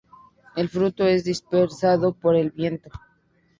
El fruto es dispersado por el viento.